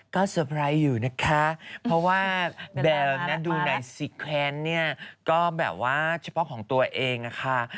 ก็เตอร์ไพรส์อยู่นะคะเพราะว่าเบลดูในซิแคว้นเนี่ยก็แบบว่าเฉพาะของตัวเองนะคะ